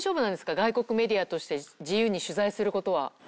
外国メディアとして自由に取材することは。